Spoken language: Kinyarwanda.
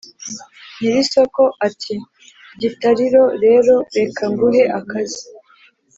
nyiri isoko ati gitariro rero reka nguhe akazi